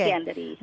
demikian dari saya